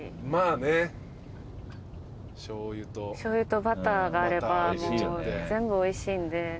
しょうゆとバターがあればもう全部おいしいんで。